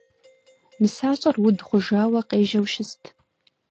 НысащӀэр уд хъужауэ къежьэу щыст.